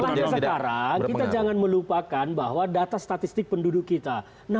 makanya sekarang kita jangan melupakan bahwa data statistik penduduk kita